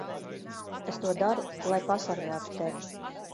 Es to daru, lai pasargātu tevi.